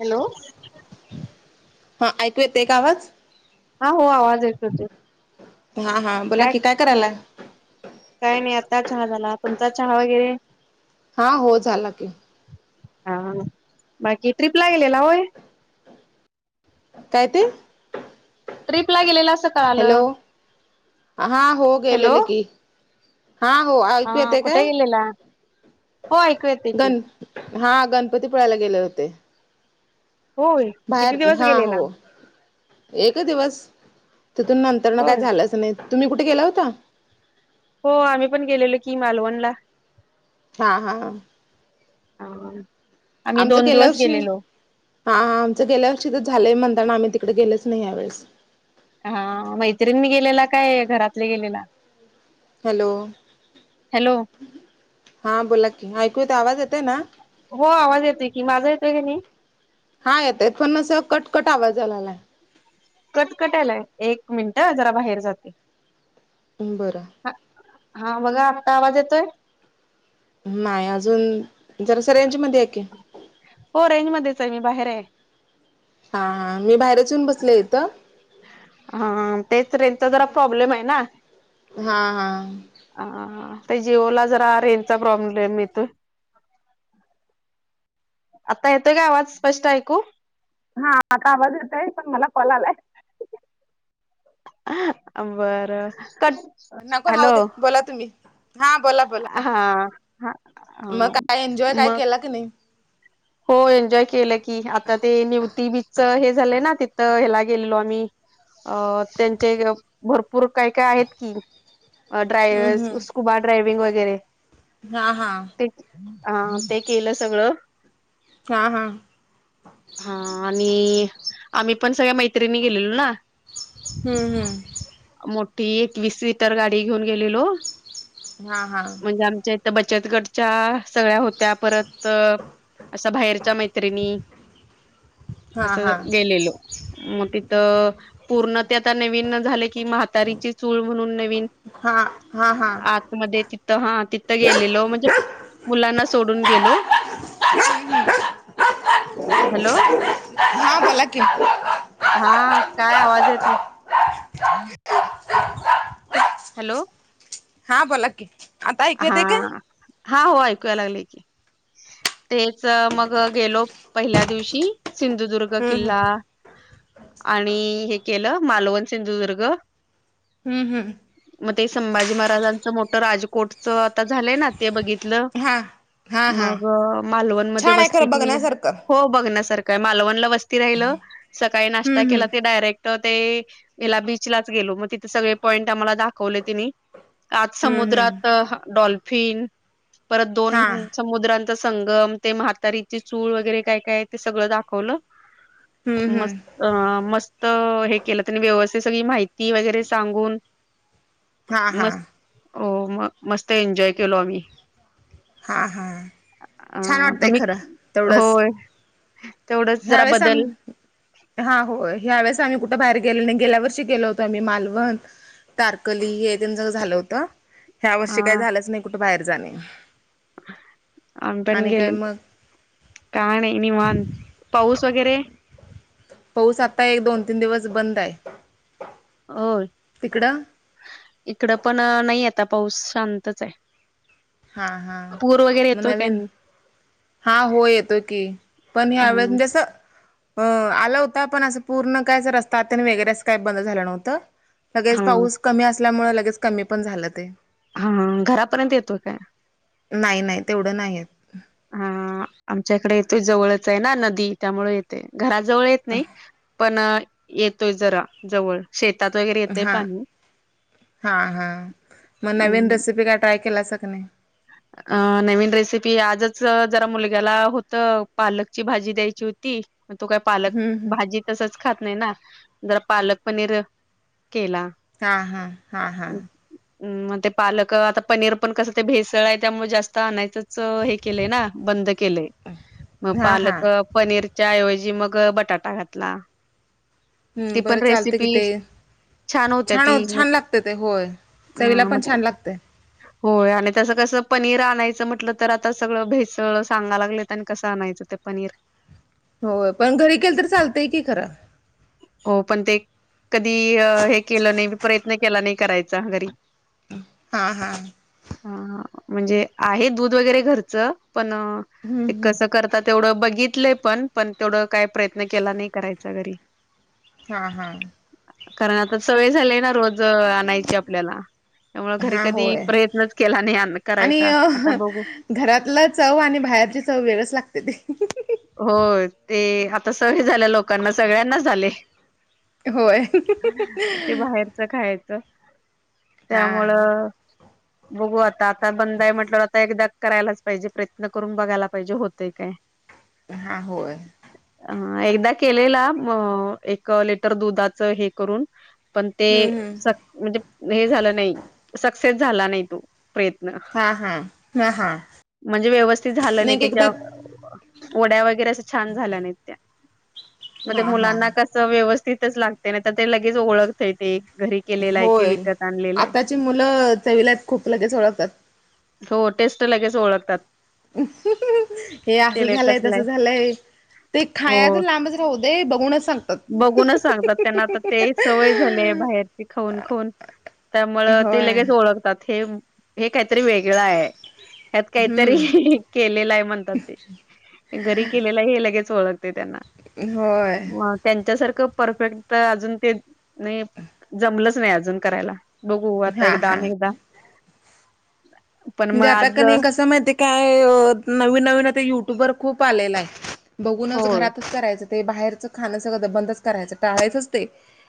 Hello हा ऐकू येतय का आवाज हा हो आवाज येत होते. हा हा बोला की काय करायला. काय नाही आता चहा झाला तुमचा चहा वगैरे हा हो झाला की हा बाकी ट्रिपला गेलेला होय. कात ते ट्रिपला गेलेला अस हॅलो हां हो गले हॅलो ल की हा हो ऐकू हा येते काय कुठे गेलेला हो ऐकू येते की गण हा गणपती पुळे ला गेले होते. होय किती बाहेर दिवस हा हो. गेलेला एक दिवस तिथून नंतर न काय होय झालंच नाही तुम्ही कुठे गेला होता. हो आम्ही पण गेलेलो की मालवणला. हा हा ह आम्ही दोन दिवस गेलेलो. हाहा आमच गेल्यावर्षी झालंय म्हणताना आम्ही तिकड गेलेच नाही ह्यावेळी हा मैत्रिणी नी गेलेला काय घरातले गेलेला. हॅलो हॅलो हा बोला की ऐकू येत आवाज येते ना हो आवाज येतोय की माझा येतोय की नाही. हा येतय पण अस कटकट आवाज आलाला आहे. कटकटायलाय एक मिनिट जरा बाहेर जाते. बरं ह हा बघा आत्ता आवाज येतोय. नाही अजून जरास रेंज मध्ये ये की हो रेंज मध्येच आहे मी बाहेर आहे. हाहा मी बाहेरच येऊन बसले इथं हाहा तेच रेंजचा जरा प्रॉब्लेम आहे ना हाहा हाहा ते जिओला जरा रेंजचा प्रॉब्लेम येतोय. आता येतोय का आवाज स्पष्ट ऐकू हा आता आवाज येतय पण मला कॉल आलाय. अ बरं कट नको राहू हॅलो. दे बोला तुम्ही हा बोला बोला हा हा मग काय एन्जॉय काय मग केला क नाही. हो एन्जॉय केलं की आता ते निवती बीचच हे झालंय ना तिथं ह्याला गेलेलो आम्ही अ त्यांचे भर पूर काय काय आहेत की हम्म ड्रायर्स हम्म स्कुबा ड्रायविंग वगैरे हा हा हा ते केलं सगळं. हा हा हा आणि आम्ही पण सगळ्या मैत्रिणी गेलेलो ना. हम्म हम्म मोठी एकवीस सीटर गाडी घेऊन गेलेलो हा हा म्हणजे आमच्या त बचतगडच्या सगळ्या होत्या परत अश्या बाहेरच्या मैत्रिणी हा असं हा गेलेलो. तिथ पूर्ण ते आता नवीन झाले की मह तर इचि चूल म्हणून नवीन हा हा हा आतमध्ये तिथं हा तिथं गेलेलो म्हणजे मुलांना सोडून गेलो. हॅलो हा बोला की? हा काय आवाज येत आहे. [unintelligible] हॅलो हां बोला की आता ऐकू हा येतय काय हा हो ऐकूय लागलं की तेच मग गेलो पहिल्या दिवशी. सिंधुदुर्ग हम्म हम्म किल्ला आणि हे केलं मालवण सिंधुदुर्ग. हम् हम् म ते संभाजी महाराजांचं मोठं राजकोटच आता झालंय ना ते बघित. ल हा हा हा मग मालवण मध्ये छान आहे वस्ती खरं केल बघण्यासारखं हो बघण्यासार काय मालवणला वस्ती राहिलं सकाळी नाश्ता हम्म हम्म केला ते डायरेक्ट त ते हिला बीचलाच गेलो मग तिथे सगळे पॉइंट आम्हाला दाखवले तिनी आज हम्म हम्म समुद्रात डॉल्फिन परत हा दोन समुद्रांचा संगम ते म्हातारीची चूळ वगैरे काय काय ते सगळं दाखवलं. हम्म हम्म मस्त मस्त हे केलं त्यांनी व्यवस्थित सगळी माहि ती वगैरे सांगून. हा हा मस्त हो म मस्त एन्जॉय केलो आम्ही हां हां अ छान वाटतं आहे खरं तेवढंच. तेवढं ह्यावेळेस आम् हा हो ह्या वेळेस आम्ही कुठे बाहेर गेलो नाही गेल्या वर्षी गेलो होतो आम्ही मालवण. तारकली हे जाऊन झालं होतं ह्या अ वर्षी काही झालंच नाही कुठे बाहेर जाणे. आम् पण आणि काय गेलो मग का नाही निवांत पाऊस वगैरे पाऊस आता एक दोन तीन दिवस बंद आहे. हो तिकडं इकड पण नाही आता पाऊस शांतच आहे. हा हा पूर वगैरे मग येतोय काय नवीन. नाही? हा हो येतो की पण हा ह्या वेळेस म्हणजे असं. अ आला होता पण असं पूर्ण काय रस्तात आणि वगैरेच काही बंद झालं नव्हतं. लगेच हा पाऊस कमी असल्यामुळे लगेच कमी पण झालं ते हा घरापर्यंत येतोय काय? नाही, नाही तेवढं नाही येत. हा आमच्या इकडे येतोय जवळच आहेना नदी त्यामुळे येते घराजवळ येत नाही. पण येतोय जरा जवळ शेतात वगैरे येतय पाणी हा, हा मग नवीन अं, रेसिपी काय ट्राय केलासा की नाही? अ नवीन रेसिपी आजच जरा मुलग्याला होत पालकची भाजी द्यायची होती. मग तो काय पालक हम्म हम्म भाजी तसच खात नाहीना, जरा पालक पनीर केला. हा, हा, हा, हा. हम्म मग ते पालक आता पनीर पण कसं ते भेसळ आहे त्यामुळे जास्त आणायचंच हे केले ना बंद केले मग हां हां पालक पनीरच्या ऐवजी मग बटाटा घातला. ती हम्म बरं पण चालतंय की रेसिपी ते छान होत ती हो छान लागतं ते [unintelligible] होय. अ चवीला म पण छान लागतंय [unintelligible] हो आणि तसं कसं पनीर आणायचं म्हटलं तर आता सगळं भेसळ सांगाला लागलेत आणि कसं आणायचं ते पनीर हो पण घरी केल तर चालतंय की खर. हो पण ते कधी हे केलं नाही प्रयत्न केला नाही करायचा घरी हा, हा. अ म्हणजे आहे दूध वगैरे घरचं पण हम्म ते हम्म कस करता तेवढं बघितलं पण, पण तेवढं काय प्रयत्न केला नाही करायचा घरी. हा, हा. कारण आता सवय झालीय ना रोज आणायची आपल्याला त्यामुळे घरी हा कधी होय प्रयत्नच केला नाही करायचा आता बघू. घरातलं चव आणि बाहेरची चव वेगळच लागते ते. हो ते आता सवय झाल्या लोकांना सगळ्यांनाच झाले. होय. ते बाहेरच खायचं हा त्यामुळं बघू आता, आता बंद आहे म्हटलंवर आता एकदा करायलाच पाहिजे प्रयत्न करून बघायला पाहिजे होतय काय. हा, होय. अ एकदा केलेला एक लिटर दुधाच हे करून पण ते हम्म हम्म स म्हणजे हे झालं नाही सक्सेस झाला नाहीतो. प्रयत्न हा हा हा हा म्हणजे व्यवस्थित झालं नाही त्याच्या वड्या वगैरे असं छान झाल्या नाहीत त्या. मग ते हा हा मुलांना कस व्यवस्थितच लागते नाही तर ते लगेच ओळखते घरी केलेलं आहे की होय विकत आणलेलं आहे आताची मुलं चवीलात खूप लगेच ओळखतात. हो टेस्ट लगेच ओळखतात. हे असं तेल झालंय, कसलं तसं आहे झालंय. ते खायच हो तर लांबच राहू दे बघूनच सांगतात. बघूनच सांगतात त्यांना आता ते सवय झालीय बाहेरची खाऊन, खाऊन त्यामुळं ते होय. लगेच ओळखतात हे हे काहीतरी वेगळं आहे ह्यात हम्म काहीतरी केलेलं आहे म्हणतात. घरी केलेला हे लगेच ओळखते त्यांना. होय. मग त्यांच्यासारखं परफेक्ट तर अजून ते नाही जमलंच नाही अजून करायला. बघू आता हा एकदा, हा. अनेकदा. म्हणजे आता आज का नाही कसं माहितीय काय नवीन, नवीन आता युट्युबर खूप आलेला आहे. बघूनच होय घरातच करायचं ते बाहेरचं खाणं सगळं बंदच करायचं टाळायचंच ते.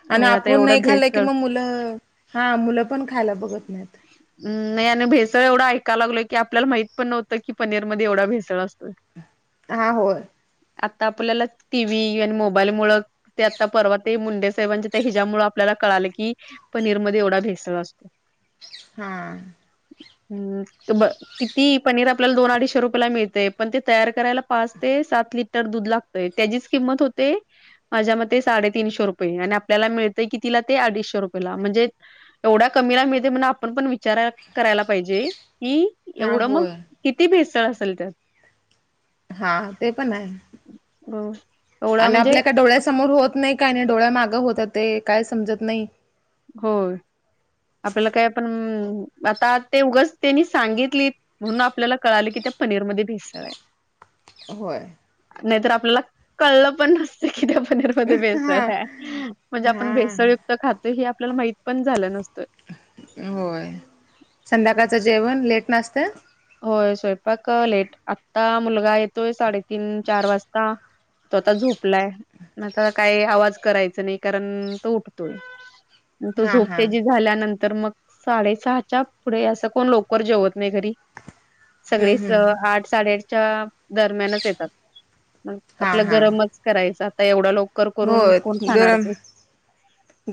आणि हो आता आपण नाही एवढं खाल्लं कि भेसळ मग मुलं हा मुलं पण खायला बघत नाहीत. म नाही आणि भेसळ एवढा ऐकाय लागलो की आपल्याला माहित पण नव्हतं कि पनीर मध्ये एवढा भेसळ असतो. हा, होय. आता आपल्याला टी, व्ही आणि मोबाईल मुळ ते आता परवा ते मुंडे साहेबांच्या त्या हिजामुळ आपल्याला कळाले की पनीरमध्ये एवढा भेसला असतो हम्म हम्म त ब किती पनीर आपल्याला दोन अडीचशे रुपयाला मिळतेय पण ते तयार करायला पाच ते सात लिटर दूध लाग त्याचीच किंमत होते माझ्या मते साडेतीीनशे रुपये आणि आपल्याला मिळतय कि तिला ते अडीचशे रुपयेला म्हणजे एवढ्या कमीला मिळते म्हण आपण पण विचारा करायला पाहिजे कि हा एवढं मग होय किती भिसतळ असेल त्यात हा ते पण आहे होम आणि आपल्या काय डोळ्यासमोर होत नाही काय नाही डोळ्या मागं होत ते काय समजत नाही होय आपल्याला काय पण आता ते उगच त्यांनी सांगितली म्हणून आपल्याला कळाले की त्या पनीरमध्येध्ये भेसय होय नाहीतर आपल्याला कळलं पण नसत किती पण भेळ हा म्हणजे आपण हा भेसळयुक्त खातो हे आपल्याला माहित पण झालं नसतं होय संध्याकाळचं जेवण लेट नासतं होय स्वयंपाक लेट आता मुलगा येतोय साडेतीन चार वाजता तो आता झोपलाय मग आता काही आवाज करायचा नाही कारण तो उठतोय तो हा झोप हा त्या ज झाल्यानंतर मग साडेसहाच्या पुढे असं कोण लोकर जेवत नाही घरी सगळे हम्म हम्म आठ साडेआठच्या दरम्यानच येतात मग हा आपलं गरमच करायचं आता एवढं लोक होय गरम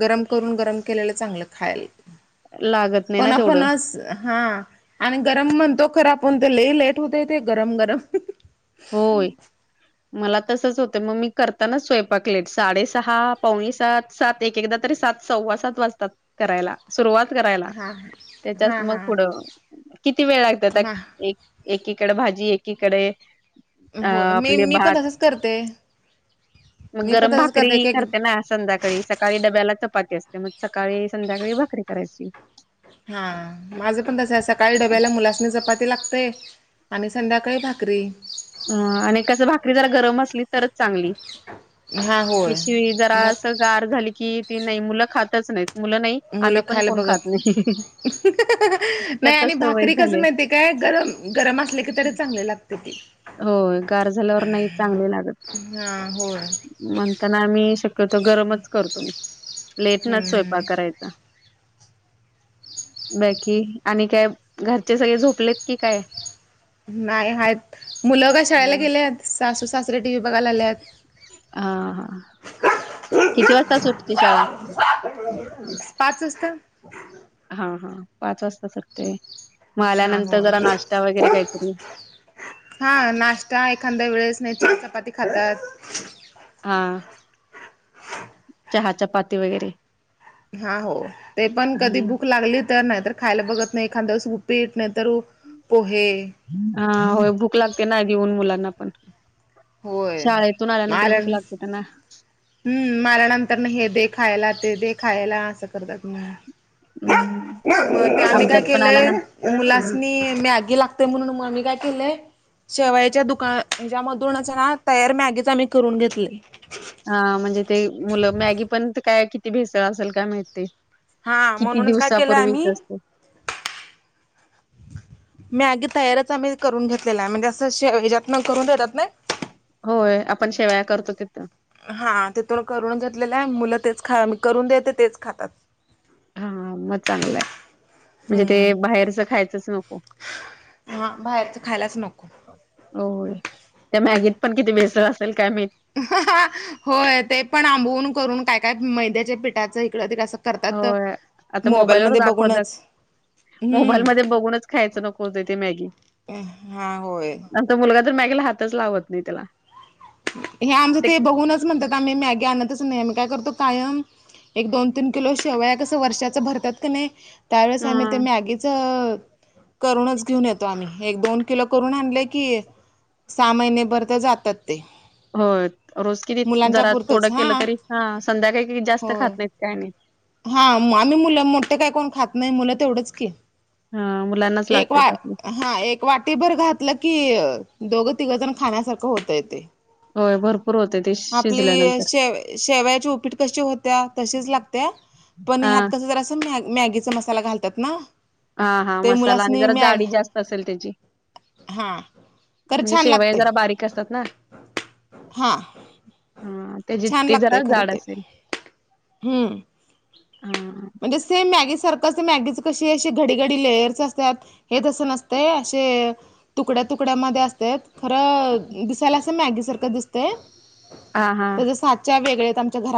गरम करून गरम केलेलं चांगलं खायला लागत नाही पण ना तेवढं आपणच हा आणि गरम म्हणतो खर आपण ते ललेई लेट होत ते गरम गरम होय मला तसच होते मग मी करताना स्वयंपाकलेट साडेसहा पावणी सात सात एक एकदा तरी सात सव्वा सात वाजतात करायला सुरुवात करायला हा हा त्याच्यात मग हा पुढं किती वेळ लागत त्या ना एक एकीकडे भाजी एकीकडे अ होय मी आपले मी पण भात तसंच करते मग मी पण गरम तसंच भाकरी की करते ना संध्याका ळी सकाळी डब्याला चपाती असते मग सकाळी संध्याकाळी भाकरी करायची हा माझं पण तसं सकाळी डब्याला मुलासना जपाती लागतेय आणि संध्याकाळी भाकरी ह आणि कस भाकरी जर गरम असली तरच चांगली हा होय कि शि जरा अस भाक गार झाली कि ती नाही मुलं खातच नाही मुलं नाही मुलं आम्ही पण खायला कोण खात नाही बघत ते नाही आता आणि सवय भाकरी कस झाली आहे. माहिती काय गरम गरम असले की तरी चांगले लागते तेी हो गार झाल्यावर नाही चांगले लागत हा हो म्हणताना आम्ही शक्यतो गरमच करतो म लेट नाच स्वयंपाक हम्म करायचा बैकी आणि काय घरचे सगळे झोपलेत की काय नाही आहेत मुलं काय शाळेला हा गेले आहेत सासू सासरे टी व्ही बघायला आले आहेत हा हा किती वाजता सुटते शाळा पाच वाजता हा हा पाच वाजता सुरते मग हा आल्यानंतर जरा होय नाश्ता वगैरे काहीतरी हा नाश्ता एखाद्या वेळेस नाही त चपाती खातात हा चहा चपाती वगैरे हा हो ते पण कधी हा भुक लागली तर नाहीत. खायला बघत नाही एखाद्यावस उुपीट नाही तरर पोहे. हा हो भूक लागते ना देऊन मुलांना पण होय शाळेतून आल्यानंतर माला भूक लागते त्यांना हम्म मऱ्यानंतर ना हे दे खायला ते दे खायला असं करतात म हम्म आम्ही काय आमच्यात पण केलंय. आल्यानंतर मुलासनी मॅगी लागतेय म्हणून मग मी काय केलंय. शेवयच्या दुकान हच्यामधूनच ना तयार मागेच आम्ही करून घेतले. हा म्हणजे ते मुलं मॅगी पण काय किती भेसळ असेल काय माळते. हा किती म्हणूनच काय केलं दिवसापूर्वीच आम्ही असत. मी आगी तयारच आम्ही करून घेतलेला आहे म्हणजे असंच्यातन करून देतात नाही. होय आपण शेवाया करतो तिथं हा तेथुला करून घेतलेलं आहे मुलं तेच खा करून देते तेच खातात. हा मग चांगलंय म्हणजे ते हम्म बाहेरच खायचंच नको. हा बाहेरच खायलाच नको. होय त्या मॅगीत पण किती बेसळ असेल काय मी. हा होय ते पण आंबवून करून काय काय मैद्याच्या पिठाचं इकडं कसं. हो आता मोबाईलवर दाखवत. बघूनच मोबाईल हम्म मध्ये बघूनच खायचं नको ते ते मॅगी. हा होय मुलगा तर माॅगेला हातच लावत नाही त्याला हे आमचं ते बघूनच म्हणतात आम्ही मॅगी आणतच नाही आम्ही काय करतो कायम. एक दोन तीन किलो शिवया कसं वर्षाच भरतात की नाही त्यावेळेस आम्ही हा ते म आगीच. करूनच घेऊन येतो आम्ही एक दोन किलो करून आणले की सहा महिनेभर ते जातात ते हो रोज किती मुलांच्या जरा थोडं पुरतंच हा केलं तरी ह संध्याकाळी जास्त खात होय नाहीत काय नाही. हा आम्ही मुलं मोठे काय कोण खात नाही मुलं तेवढंच की हा मुलांनाच एक लागते. वा हा एक वाटी भर घातलं की दोघं तिघजण खाण्यासारखं होतय ते होय भरपूर होते ते आपली शिजल्यानंतर. शे शेवयाची उपीट कशी होत्या तशीच लागते. पण हां, ह्यात कसं जरा अस मॅगीचा मसाला घालतात ना. हा हा ते मसाला आणि मुलासनी जरा मॅ जाडी जास्त असेल त्याची हां खरं म्हणजे छान शेवय जरा बारीक असतात ना. हा हा त्या ते जरा खरं झाड ते असेल. हम्म ह म्हणजे सेम मॅगी सारखंच तर मॅगीचं कशी असे घडीघडी लेयर्स असतात. हे तसं नसते असे तुकड्या तुकड्यामध्येध्ये असते. खरं दिसायला असं मॅगी सारखं दिसतय हां, हां. तर जस. वेळ्या आच्या घर